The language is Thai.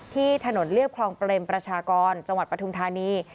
ที่ถนนเรียบคลองเปรมประชากรจังหวัดปฐุมธานี